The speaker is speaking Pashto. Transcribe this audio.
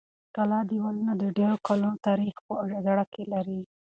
د کلا دېوالونه د ډېرو کلونو تاریخ په زړه کې لري.